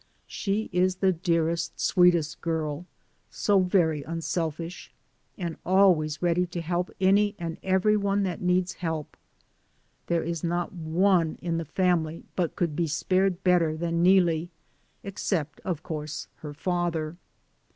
She is the dearest, sweetest girl, so very unselfish, and always ready to help any and every one that needs help. There is not one in the family but could be spared better than Neelie except, of course, her fa ther.